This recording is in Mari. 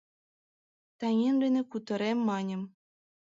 Таҥем дене кутырем маньым -